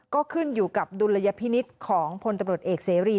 ก็ขึ้นอยู่กับดุลยพินิษฐ์ของพลตำรวจเอกเสรี